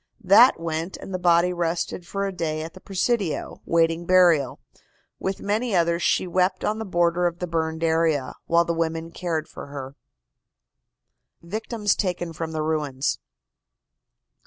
That went, and the body rested for a day at the Presidio, waiting burial. With many others, she wept on the border of the burned area, while the women cared for her. VICTIMS TAKEN FROM THE RUINS.